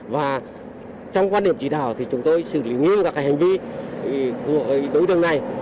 và trong quan điểm chỉ đạo thì chúng tôi xử lý nghiêm các hành vi của đối tượng này